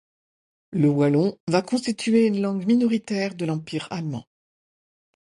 Le wallon va constituer une langue minoritaire de l'empire allemand.